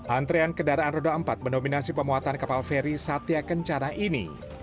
antrean kendaraan roda empat mendominasi pemuatan kapal feri satya kencana ini